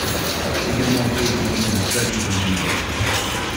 Également employé au cabinet de Flávio Bolsonaro.